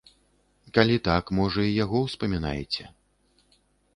Калі так, можа і яго ўспамінаеце.